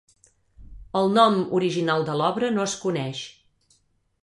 El nom original de l'obra no es coneix.